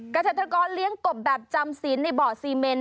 กระจัดกรเลี้ยงกบแบบจำสินในบ่อซีเมน